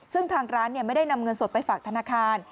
ซึ่งทางร้านไม่ได้นำเงินสดไปฝากธนาคาร